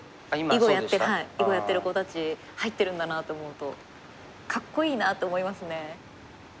囲碁やってる子たち入ってるんだなと思うとかっこいいなと思いますね。